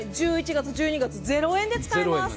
１１月、１２月０円で使えます。